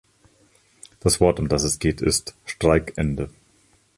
Das Wort, um das es geht, ist 'Streikende'.